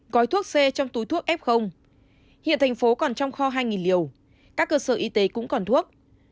cói thuốc c trong túi thuốc f hiện thành phố còn trong kho hai liều các cơ sở y tế cũng còn thuốc